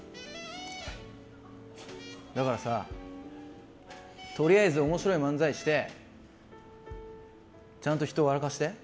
だからさ、とりあえず面白い漫才してちゃんと人を笑かして。